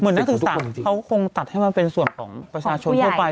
เหมือนนักศึกษาเขาคงตัดให้มาเป็นส่วนของประชาชนพ่อไปของผู้ใหญ่